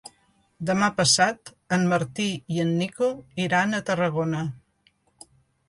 Demà passat en Martí i en Nico iran a Tarragona.